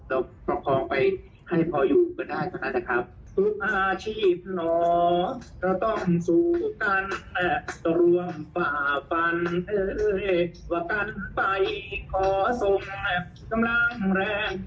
เราประคองไว้ให้พออยู่ก็ได้ตอนนั้นนะครับ